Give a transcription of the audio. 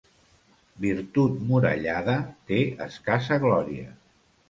Virtut murallada té escassa glòria.